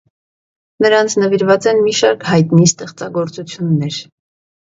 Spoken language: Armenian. Նրանց նվիրված են մի շարք հայտնի ստեղծագործություններ։